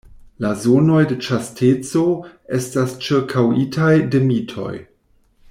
La zonoj de ĉasteco estas ĉirkaŭitaj de mitoj.